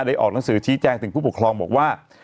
ออกหนังสือชี้แจงถึงผู้ปกครองบอกว่า